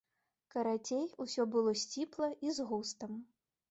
Карацей, усё было сціпла і з густам.